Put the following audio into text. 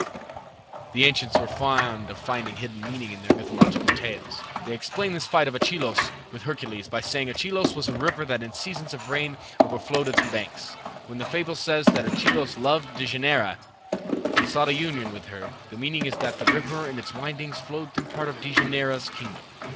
'" The ancients were fond of finding a hidden meaning in their mythological tales. They explain this fight of Achelous with Hercules by saying Achelous was a river that in seasons of rain overflowed its banks. When the fable says that Achelous loved Dejanira, and sought a union with her, the meaning is that the river in its windings flowed through part of Dejanira's kingdom.